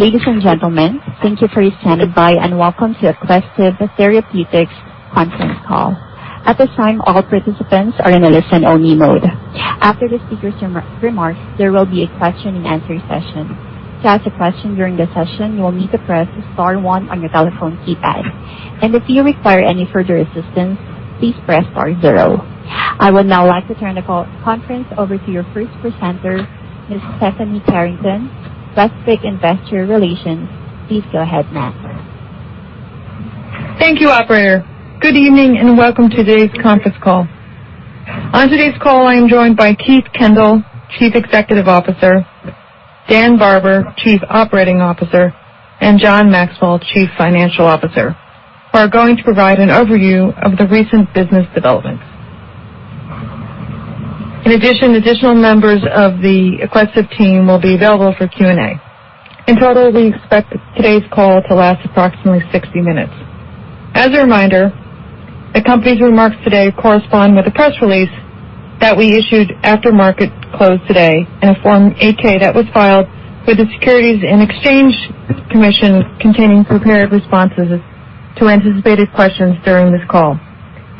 Ladies and gentlemen, thank you for standing by, welcome to Aquestive Therapeutics conference call. At this time, all participants are in a listen-only mode. After the speakers' remarks, there will be a question-and-answer session. To ask a question during the session, you will need to press star one on your telephone keypad. If you require any further assistance, please press star zero. I would now like to turn the conference over to your first presenter, Faith Pomeroy-Ward, Aquestive Investor Relations. Please go ahead, ma'am. Thank you, operator. Good evening, welcome to today's conference call. On today's call, I am joined by Keith Kendall, Chief Executive Officer, Dan Barber, Chief Operating Officer, John Maxwell, Chief Financial Officer, who are going to provide an overview of the recent business developments. Additional members of the Aquestive team will be available for Q&A. We expect today's call to last approximately 60 minutes. As a reminder, the company's remarks today correspond with the press release that we issued after market close today in a Form 8-K that was filed with the Securities and Exchange Commission containing prepared responses to anticipated questions during this call,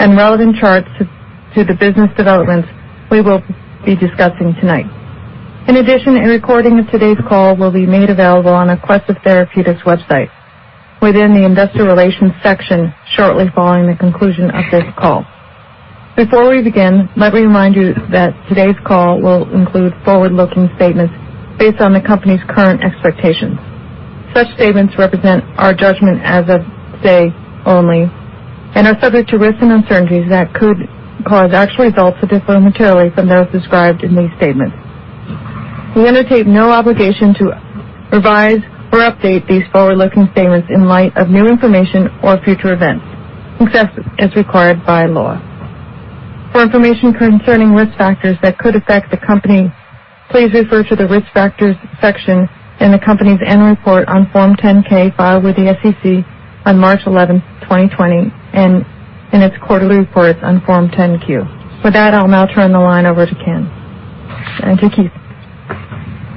relevant charts to the business developments we will be discussing tonight. A recording of today's call will be made available on Aquestive Therapeutics website within the investor relations section shortly following the conclusion of this call. Before we begin, let me remind you that today's call will include forward-looking statements based on the company's current expectations. Such statements represent our judgment as of today only and are subject to risks and uncertainties that could cause actual results to differ materially from those described in these statements. We undertake no obligation to revise or update these forward-looking statements in light of new information or future events, except as required by law. For information concerning risk factors that could affect the company, please refer to the Risk Factors section in the company's annual report on Form 10-K filed with the SEC on March 11th, 2020, and in its quarterly reports on Form 10-Q. With that, I'll now turn the line over to Keith. Thank you, Keith.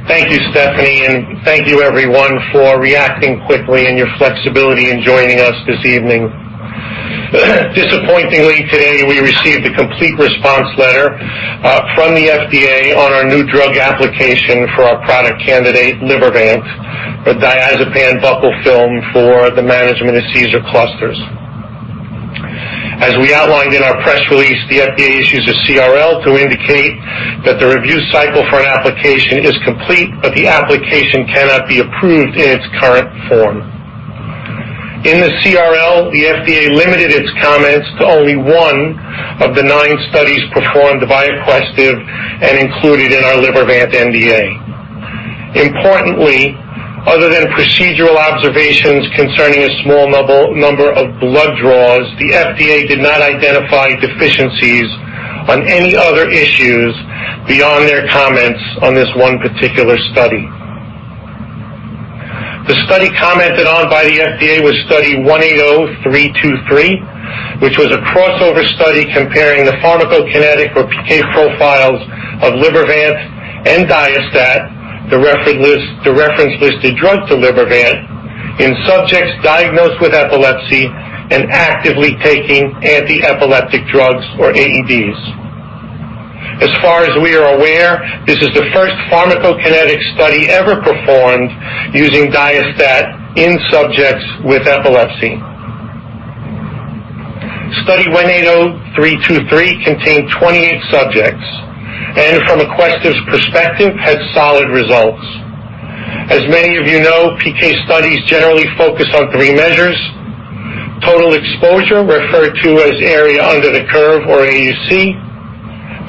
Thank you, Faith, and thank you, everyone, for reacting quickly and your flexibility in joining us this evening. Disappointingly, today, we received a complete response letter from the FDA on our new drug application for our product candidate, Libervant, a diazepam buccal film for the management of seizure clusters. As we outlined in our press release, the FDA issues a CRL to indicate that the review cycle for an application is complete, but the application cannot be approved in its current form. In the CRL, the FDA limited its comments to only one of the nine studies performed by Aquestive and included in our Libervant NDA. Importantly, other than procedural observations concerning a small number of blood draws, the FDA did not identify deficiencies on any other issues beyond their comments on this one particular study. The study commented on by the FDA was Study 180323, which was a crossover study comparing the pharmacokinetic or PK profiles of Libervant and Diastat, the reference-listed drug to Libervant, in subjects diagnosed with epilepsy and actively taking anti-epileptic drugs or AEDs. As far as we are aware, this is the first pharmacokinetic study ever performed using Diastat in subjects with epilepsy. Study 180323 contained 28 subjects and from Aquestive's perspective, had solid results. As many of you know, PK studies generally focus on three measures. Total exposure, referred to as area under the curve or AUC.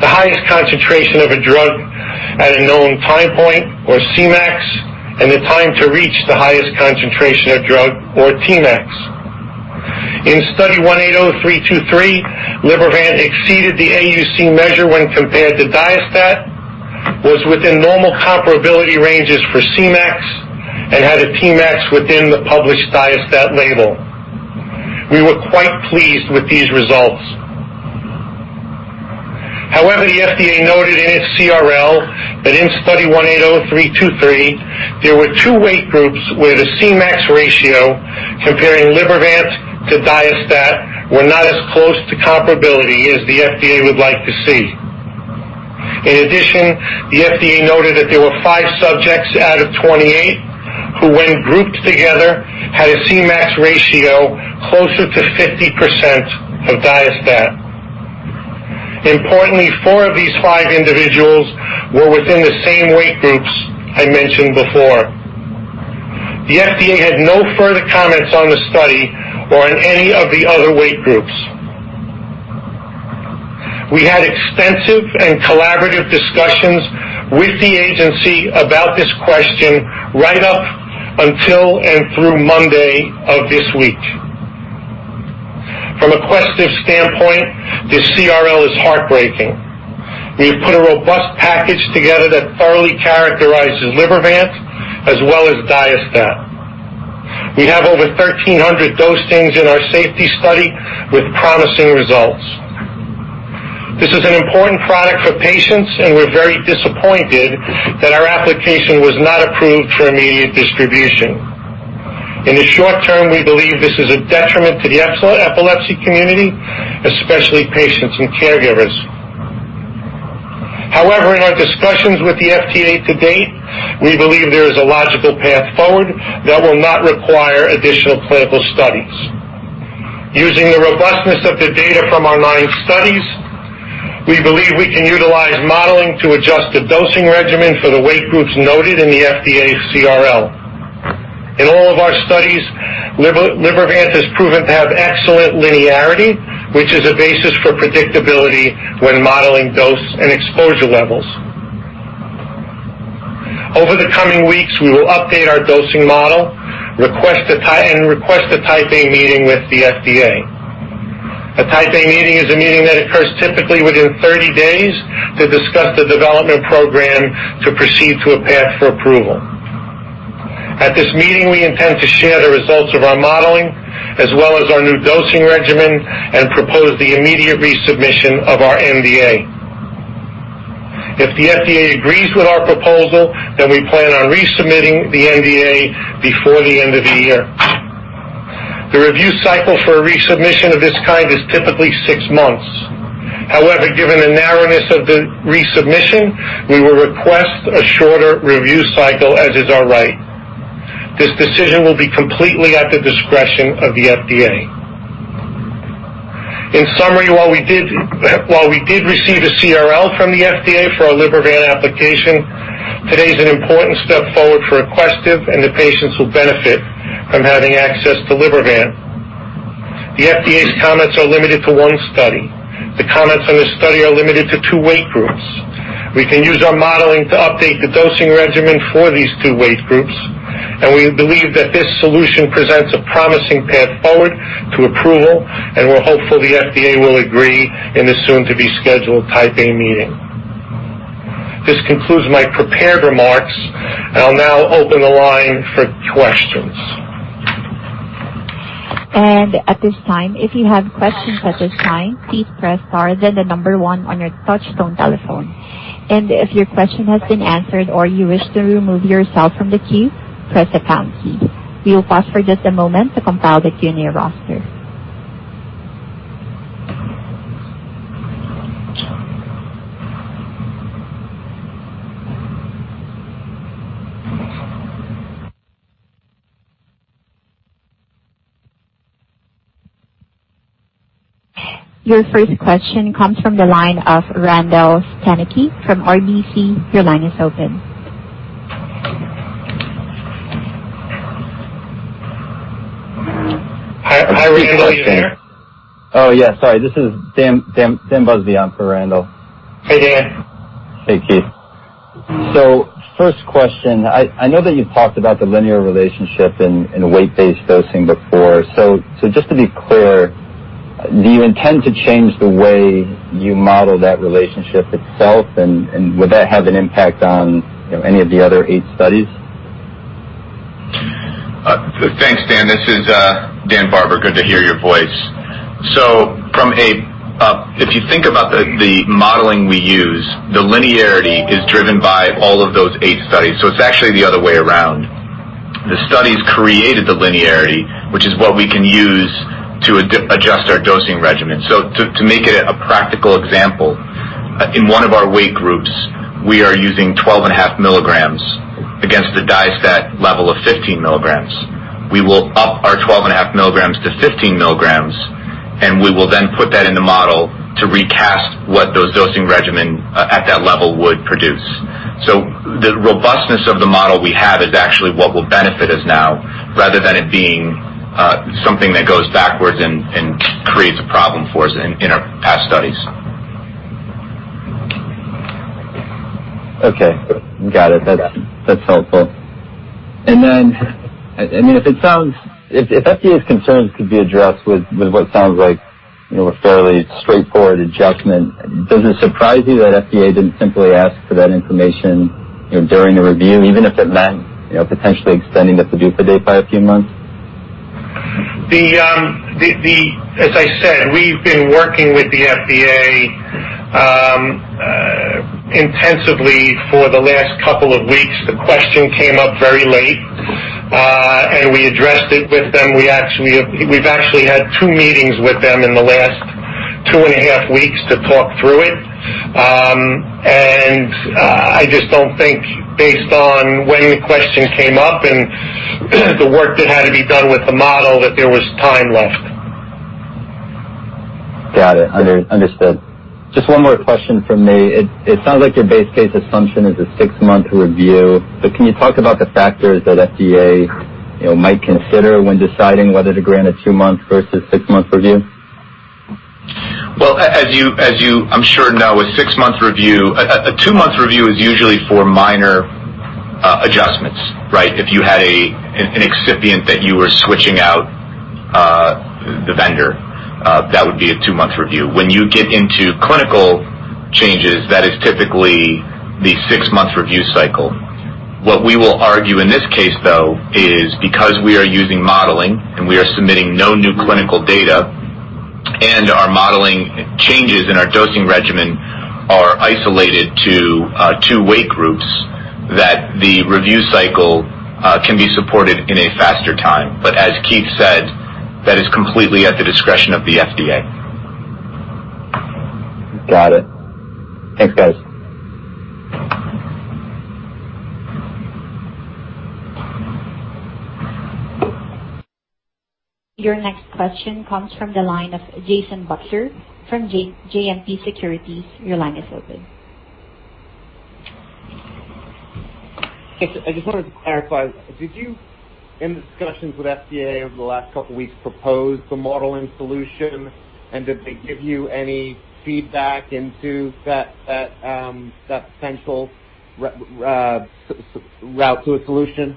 The highest concentration of a drug at a known time point or Cmax. The time to reach the highest concentration of drug or Tmax. In Study 180323, Libervant exceeded the AUC measure when compared to Diastat, was within normal comparability ranges for Cmax, and had a Tmax within the published Diastat label. We were quite pleased with these results. However, the FDA noted in its CRL that in Study 180323, there were two weight groups where the Cmax ratio comparing Libervant to Diastat were not as close to comparability as the FDA would like to see. The FDA noted that there were five subjects out of 28 who, when grouped together, had a Cmax ratio closer to 50% of Diastat. Importantly, four of these five individuals were within the same weight groups I mentioned before. The FDA had no further comments on the study or on any of the other weight groups. We had extensive and collaborative discussions with the agency about this question right up until and through Monday of this week. From Aquestive's standpoint, this CRL is heartbreaking. We've put a robust package together that thoroughly characterizes Libervant as well as Diastat. We have over 1,300 dosings in our safety study with promising results. This is an important product for patients, and we're very disappointed that our application was not approved for immediate distribution. In the short term, we believe this is a detriment to the epilepsy community, especially patients and caregivers. However, in our discussions with the FDA to date, we believe there is a logical path forward that will not require additional clinical studies. Using the robustness of the data from our nine studies, we believe we can utilize modeling to adjust the dosing regimen for the weight groups noted in the FDA's CRL. In all of our studies, Libervant has proven to have excellent linearity, which is a basis for predictability when modeling dose and exposure levels. Over the coming weeks, we will update our dosing model and request a Type A meeting with the FDA. A Type A meeting is a meeting that occurs typically within 30 days to discuss the development program to proceed to a path for approval. At this meeting, we intend to share the results of our modeling, as well as our new dosing regimen and propose the immediate resubmission of our NDA. If the FDA agrees with our proposal, we plan on resubmitting the NDA before the end of the year. The review cycle for a resubmission of this kind is typically six months. Given the narrowness of the resubmission, we will request a shorter review cycle, as is our right. This decision will be completely at the discretion of the FDA. In summary, while we did receive a CRL from the FDA for our Libervant application, today's an important step forward for Aquestive and the patients who benefit from having access to Libervant. The FDA's comments are limited to one study. The comments on the study are limited to two weight groups. We can use our modeling to update the dosing regimen for these two weight groups, and we believe that this solution presents a promising path forward to approval, and we're hopeful the FDA will agree in the soon-to-be-scheduled Type A meeting. This concludes my prepared remarks, and I'll now open the line for questions. At this time, if you have questions, please press star then the number one on your touch-tone telephone. If your question has been answered or you wish to remove yourself from the queue, press the pound key. We will pause for a moment while we assemble the queue Your first question comes from the line of Randall Stanicky from RBC. Your line is open. Hi, Randall. Are you there? Oh, yeah. Sorry. This is Dan Busby on for Randall. Hey, Dan. Hey, Keith. First question, I know that you've talked about the linear relationship and weight-based dosing before. Just to be clear, do you intend to change the way you model that relationship itself, and would that have an impact on any of the other eight studies? Thanks, Dan. This is Daniel Barber. Good to hear your voice. If you think about the modeling we use, the linearity is driven by all of those eight studies. It's actually the other way around. The studies created the linearity, which is what we can use to adjust our dosing regimen. To make it a practical example, in one of our weight groups, we are using 12.5 milligrams against the Diastat level of 15 milligrams. We will up our 12.5 milligrams to 15 milligrams, and we will then put that in the model to recast what those dosing regimen at that level would produce. The robustness of the model we have is actually what will benefit us now, rather than it being something that goes backwards and creates a problem for us in our past studies. Okay. Got it. That's helpful. If FDA's concerns could be addressed with what sounds like a fairly straightforward adjustment, does it surprise you that FDA didn't simply ask for that information during the review, even if it meant potentially extending the PDUFA date by a few months? As I said, we've been working with the FDA intensively for the last couple of weeks. The question came up very late, we addressed it with them. We've actually had two meetings with them in the last two and a half weeks to talk through it. I just don't think based on when the question came up and the work that had to be done with the model, that there was time left. Got it. Understood. Just one more question from me. It sounds like your base case assumption is a six-month review. Can you talk about the factors that FDA might consider when deciding whether to grant a two-month versus six-month review? As you I'm sure know, a two-month review is usually for minor adjustments, right? If you had an excipient that you were switching out the vendor, that would be a two-month review. When you get into clinical changes, that is typically the six-month review cycle. What we will argue in this case, though, is because we are using modeling and we are submitting no new clinical data, and our modeling changes in our dosing regimen are isolated to two weight groups, that the review cycle can be supported in a faster time. As Keith said, that is completely at the discretion of the FDA. Got it. Thanks, guys. Your next question comes from the line of Jason Butler from JMP Securities. Your line is open. I just wanted to clarify. Did you, in discussions with FDA over the last couple of weeks, propose the modeling solution, and did they give you any feedback into that potential route to a solution?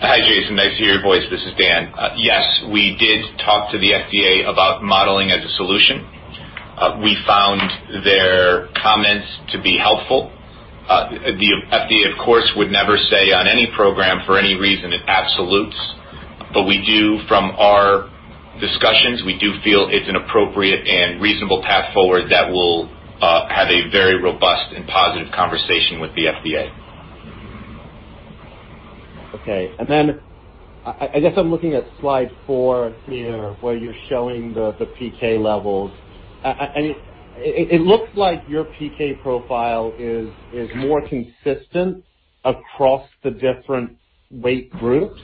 Hi, Jason. Nice to hear your voice. This is Dan. Yes, we did talk to the FDA about modeling as a solution. We found their comments to be helpful. The FDA, of course, would never say on any program for any reason in absolutes. From our discussions, we do feel it's an appropriate and reasonable path forward that will have a very robust and positive conversation with the FDA. Okay. I guess I'm looking at slide four here, where you're showing the PK levels. It looks like your PK profile is more consistent across the different weight groups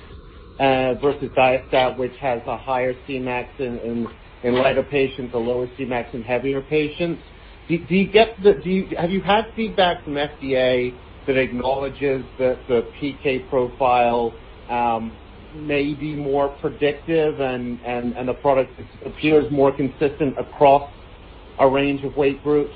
versus Diastat, which has a higher Cmax in lighter patients, a lower Cmax in heavier patients. Have you had feedback from FDA that acknowledges that the PK profile may be more predictive and the product appears more consistent across a range of weight groups?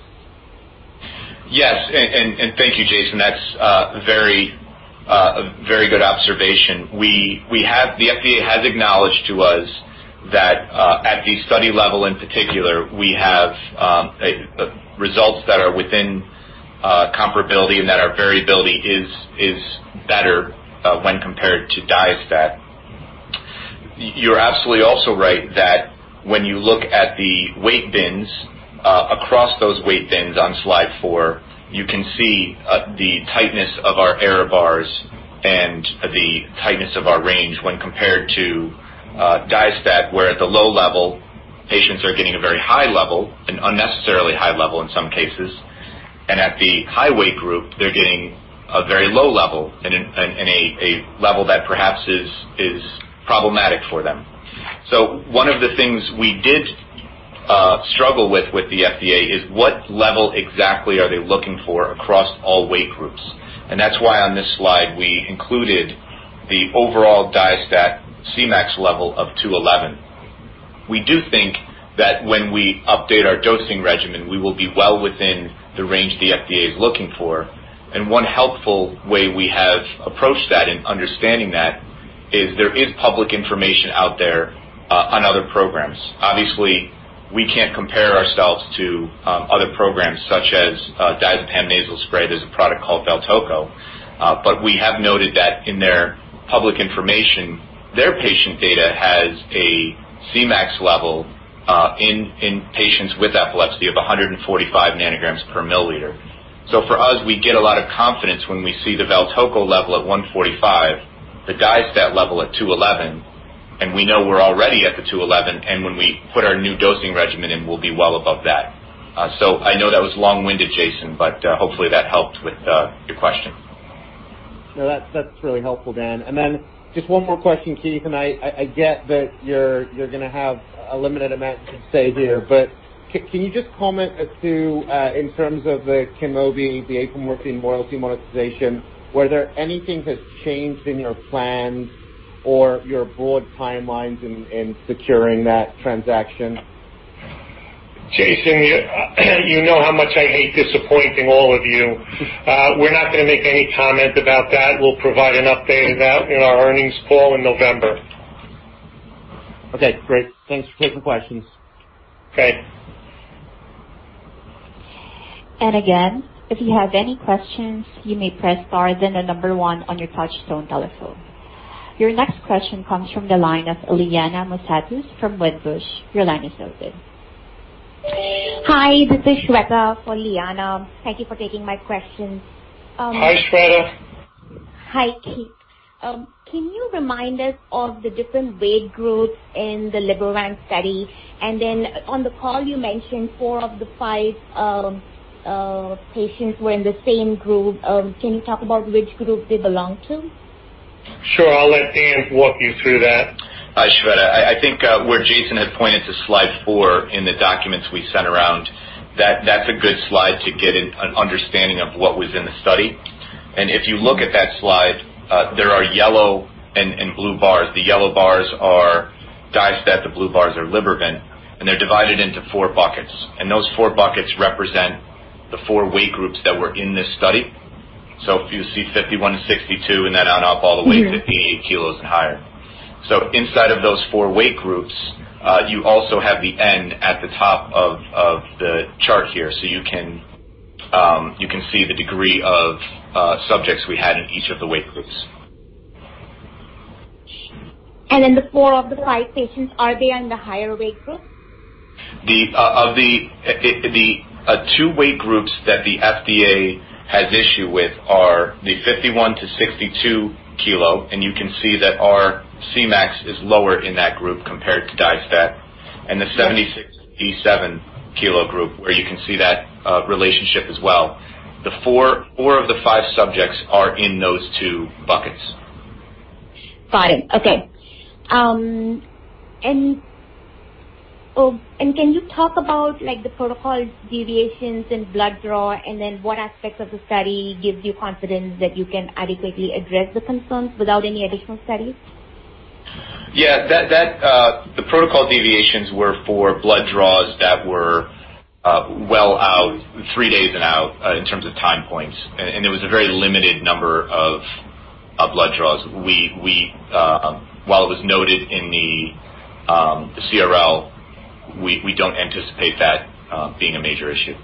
Yes, thank you, Jason. That's a very good observation. The FDA has acknowledged to us that at the study level, in particular, we have results that are within comparability and that our variability is better when compared to Diastat. You're absolutely also right that when you look at the weight bins, across those weight bins on slide four, you can see the tightness of our error bars and the tightness of our range when compared to Diastat, where at the low level, patients are getting a very high level, an unnecessarily high level in some cases. At the high weight group, they're getting a very low level and a level that perhaps is problematic for them. One of the things we did struggle with with the FDA is what level exactly are they looking for across all weight groups. That's why on this slide, we included the overall Diastat Cmax level of 211. We do think that when we update our dosing regimen, we will be well within the range the FDA is looking for. One helpful way we have approached that in understanding that is there is public information out there on other programs. Obviously, we can't compare ourselves to other programs such as diazepam nasal spray. There's a product called VALTOCO. We have noted that in their public information, their patient data has a Cmax level in patients with epilepsy of 145 nanograms per milliliter. For us, we get a lot of confidence when we see the VALTOCO level at 145, the Diastat level at 211, and we know we're already at the 211, and when we put our new dosing regimen in, we'll be well above that. I know that was long-winded, Jason, but hopefully, that helped with your question. No, that's really helpful, Dan. Just one more question, Keith, and I get that you're going to have a limited amount to say here, but can you just comment as to, in terms of the KYNMOBI, the apomorphine royalty monetization, whether anything has changed in your plans or your broad timelines in securing that transaction? Jason, you know how much I hate disappointing all of you. We're not going to make any comment about that. We'll provide an update on that in our earnings call in November. Okay, great. Thanks for taking questions. Okay. If you have any question you may press star then number one on your telephoneYour next question comes from the line of Liana Moussatos from Wedbush. Hi, this is Shweta for Liana. Thank you for taking my question. Hi, Shweta. Hi, Keith. Can you remind us of the different weight groups in the Libervant study? Then on the call, you mentioned four of the five patients were in the same group. Can you talk about which group they belong to? Sure. I'll let Dan walk you through that. Hi, Shweta. I think where Jason had pointed to slide four in the documents we sent around, that's a good slide to get an understanding of what was in the study. If you look at that slide, there are yellow and blue bars. The yellow bars are Diastat, the blue bars are Libervant, and they're divided into four buckets. Those four buckets represent the four weight groups that were in this study. If you see 51-62 and then on up all the way to 88 kilos and higher. Inside of those four weight groups, you also have the N at the top of the chart here. You can see the degree of subjects we had in each of the weight groups. The four of the five patients, are they in the higher weight group? The two weight groups that the FDA has issue with are the 51-62 kilo, and you can see that our Cmax is lower in that group compared to Diastat, and the 76-87 kilo group, where you can see that relationship as well. four of the five subjects are in those two buckets. Got it. Okay. Can you talk about the protocol deviations in blood draw, and then what aspects of the study gives you confidence that you can adequately address the concerns without any additional studies? Yeah. The protocol deviations were for blood draws that were well out, three days and out, in terms of time points. There was a very limited number of blood draws. While it was noted in the CRL, we don't anticipate that being a major issue.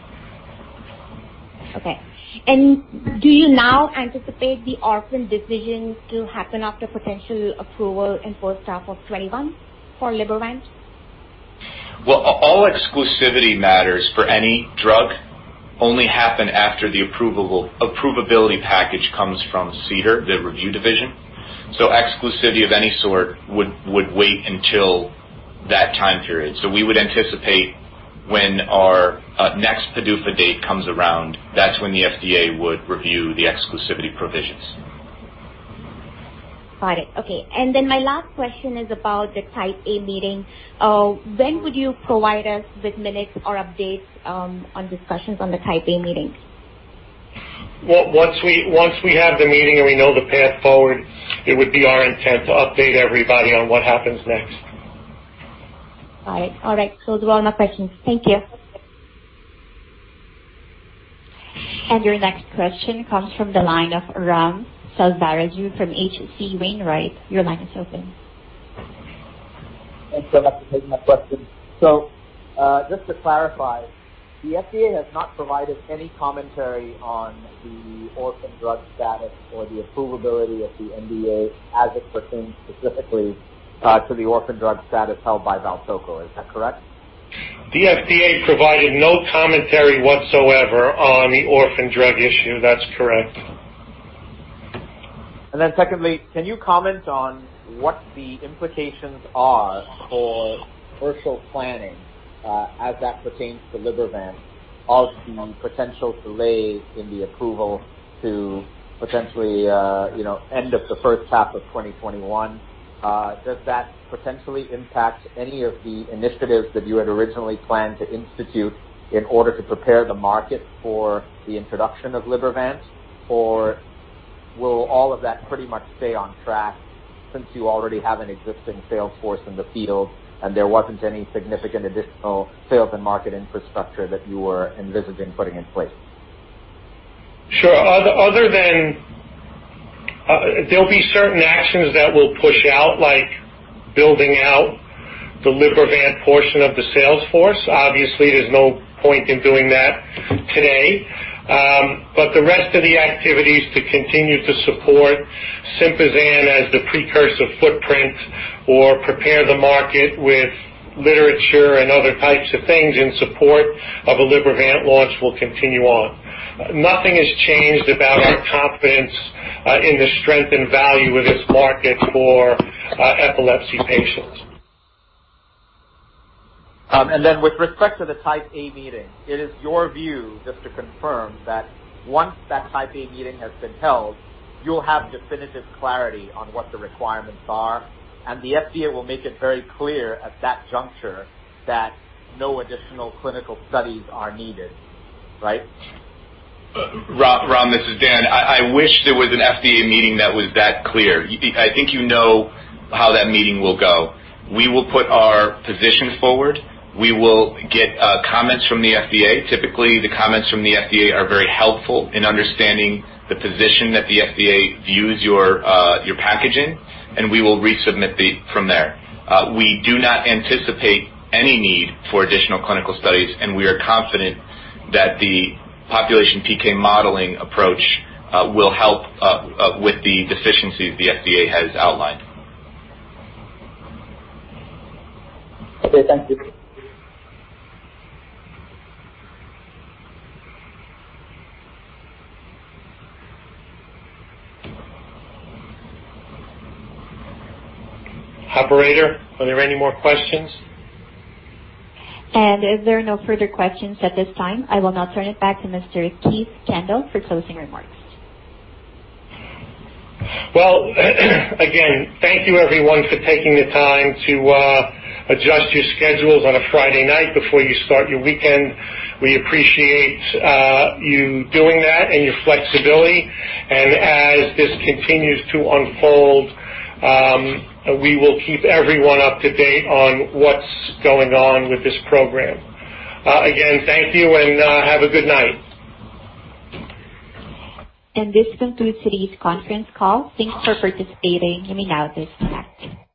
Okay. Do you now anticipate the orphan decision to happen after potential approval in first half of 2021 for Libervant? Well, all exclusivity matters for any drug only happen after the approvability package comes from CDER, the review division. Exclusivity of any sort would wait until that time period. We would anticipate when our next PDUFA date comes around, that's when the FDA would review the exclusivity provisions. Got it. Okay. My last question is about the Type A meeting. When would you provide us with minutes or updates on discussions on the Type A meeting? Once we have the meeting and we know the path forward, it would be our intent to update everybody on what happens next. Got it. All right. Those were all my questions. Thank you. Your next question comes from the line of Ram Selvaraju from H.C. Wainwright & Co. Your line is open. Thanks so much for taking my question. Just to clarify, the FDA has not provided any commentary on the orphan drug status or the approvability of the NDA as it pertains specifically to the orphan drug status held by VALTOCO, is that correct? The FDA provided no commentary whatsoever on the orphan drug issue. That's correct. Then secondly, can you comment on what the implications are for commercial planning as that pertains to Libervant, obviously on potential delays in the approval to potentially end of the first half of 2021? Does that potentially impact any of the initiatives that you had originally planned to institute in order to prepare the market for the introduction of Libervant? Or will all of that pretty much stay on track since you already have an existing sales force in the field and there wasn't any significant additional sales and market infrastructure that you were envisaging putting in place? Sure. There'll be certain actions that will push out, like building out the Libervant portion of the sales force. Obviously, there's no point in doing that today. The rest of the activities to continue to support Sympazan as the precursor footprint or prepare the market with literature and other types of things in support of a Libervant launch will continue on. Nothing has changed about our confidence in the strength and value of this market for epilepsy patients. With respect to the Type A meeting, it is your view, just to confirm, that once that Type A meeting has been held, you'll have definitive clarity on what the requirements are, and the FDA will make it very clear at that juncture that no additional clinical studies are needed, right? Ram, this is Dan. I wish there was an FDA meeting that was that clear. I think you know how that meeting will go. We will put our positions forward. We will get comments from the FDA. Typically, the comments from the FDA are very helpful in understanding the position that the FDA views your packaging, and we will resubmit from there. We do not anticipate any need for additional clinical studies, and we are confident that the population PK modeling approach will help with the deficiencies the FDA has outlined. Okay. Thank you. Operator, are there any more questions? If there are no further questions at this time, I will now turn it back to Mr. Keith Kendall for closing remarks. Well, again, thank you everyone for taking the time to adjust your schedules on a Friday night before you start your weekend. We appreciate you doing that and your flexibility. As this continues to unfold, we will keep everyone up to date on what's going on with this program. Again, thank you, and have a good night. This concludes today's conference call. Thanks for participating. You may now disconnect.